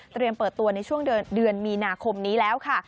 เปิดตัวในช่วงเดือนมีนาคมนี้แล้วค่ะ